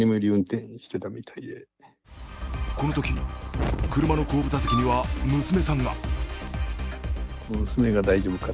このとき、車の後部座席には娘さんが。